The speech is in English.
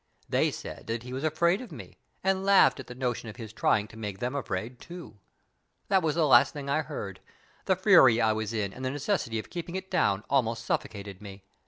They said that he was afraid of me, and laughed at the notion of his trying to make them afraid too. That was the last thing I heard. The fury I was in, and the necessity of keeping it down, almost suffocated me.